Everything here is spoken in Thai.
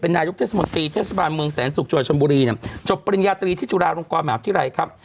นายกเทศมนตรีเทศบาลเมืองแสนสุกจังหวัดชนบุรีเนี่ยจบปริญญาตรีที่จุฬาลงกรมหาวิทยาลัยครับ